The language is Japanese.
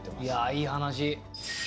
いい話。